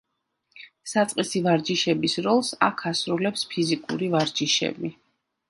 საწყისი ვარჯიშების როლს აქ ასრულებს ფიზიკური ვარჯიშები.